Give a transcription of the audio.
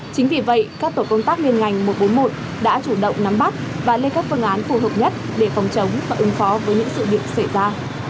chính vì vậy các tổ công tác liên ngành một trăm bốn mươi một đã chủ động nắm bắt và lên các phương án phù hợp nhất để phòng chống và ứng phó với những sự việc xảy ra